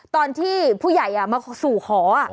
ตอนที่ผู้ใหญ่มาสู่ขอ